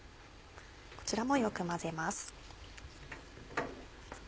こちらもよく混ぜます。